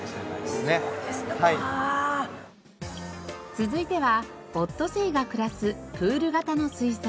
続いてはオットセイが暮らすプール型の水槽。